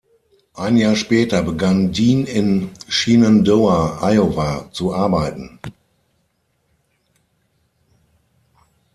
Ein Jahr später begann Dean in Shenandoah, Iowa, zu arbeiten.